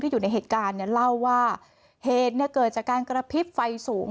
อยู่ในเหตุการณ์เนี่ยเล่าว่าเหตุเนี่ยเกิดจากการกระพริบไฟสูง